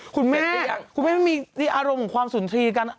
คุณแม่คุณแม่ไม่มีอารมณ์ของความสุนทรีย์กัน